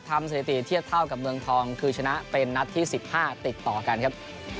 สถิติเทียบเท่ากับเมืองทองคือชนะเป็นนัดที่๑๕ติดต่อกันครับ